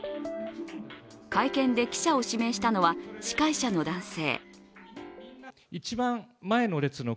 会見で記者を指名したのは司会者の男性。